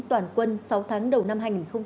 toàn quân sáu tháng đầu năm hai nghìn hai mươi